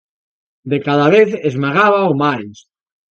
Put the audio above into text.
De cada vez esmagábao máis